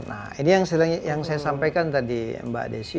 nah ini yang saya sampaikan tadi mbak desi